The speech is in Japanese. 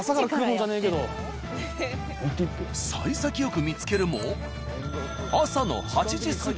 さい先よく見つけるも朝の８時過ぎ。